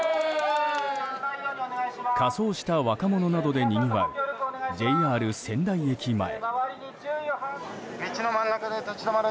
仮装した若者などでにぎわうＪＲ仙台駅前。